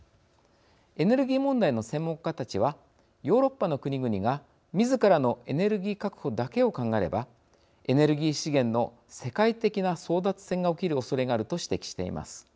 エネルギー問題の専門家たちはヨーロッパの国々がみずからのエネルギー確保だけを考えればエネルギー資源の世界的な争奪戦が起きるおそれがあると指摘しています。